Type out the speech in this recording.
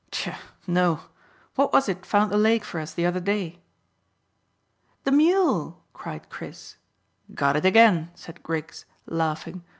"Tchah! No. What was it found the lake for us the other day?" "The mule," cried Chris. "Got it again," said Griggs, laughing.